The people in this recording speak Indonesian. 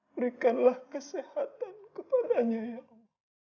berikanlah kesehatan kepadanya ya allah